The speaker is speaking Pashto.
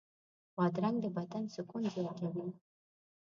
بادرنګ د بدن سکون زیاتوي.